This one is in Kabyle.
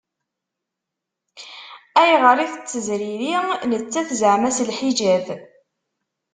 Ayɣer i tettezriri nettat zeɛma s lḥiǧab?